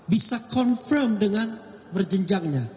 bisa confirm dengan berjenjangnya